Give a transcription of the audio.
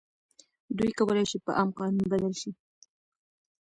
دوی کولای شي په عام قانون بدل شي.